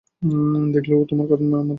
দেখলে, ও তোমার মাথা খেয়ে ফেলবে।